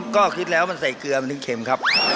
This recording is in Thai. ก็คิดแล้วมันใส่เกลือมันถึงเข็มครับ